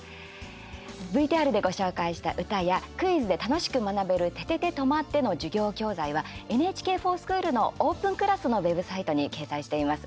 ＶＴＲでご紹介した歌やクイズで楽しく学べる「ててて！とまって！」の授業教材は「ＮＨＫｆｏｒＳｃｈｏｏｌ」のオープンクラスのウェブサイトに掲載しています。